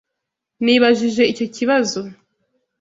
Nibajije icyo kibazo.